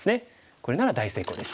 これなら大成功です。